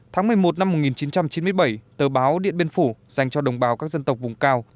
tháng một mươi một năm một nghìn chín trăm chín mươi bảy tờ báo điện biên phủ dành cho đồng bào các dân tộc vùng cao